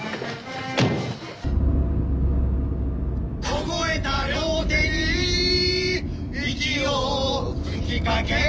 「こごえた両手に息をふきかけて」